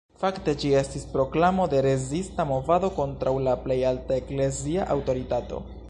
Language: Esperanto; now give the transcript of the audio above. Fakte ĝi estis proklamo de rezista movado kontraŭ la plej alta eklezia aŭtoritato.